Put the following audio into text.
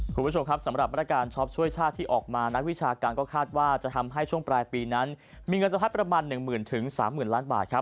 สำหรับมาตรการชอบช่วยชาติที่ออกมานักวิชาการก็คาดว่าจะทำให้ช่วงปลายปีนั้นมีเงินสะพัดประมาณ๑หมื่นถึง๓หมื่นล้านบาท